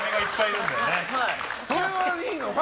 それはいいの？